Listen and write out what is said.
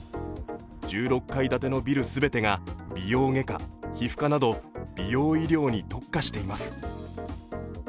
１６階建てのビルすべてが美容外科、皮膚科など美容医療に特化しています。